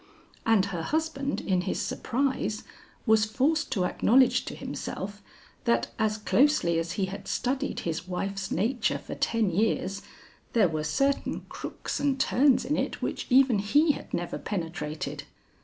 And her husband in his surprise, was forced to acknowledge to himself, that as closely as he had studied his wife's nature for ten years, there were certain crooks and turns in it which even he had never penetrated.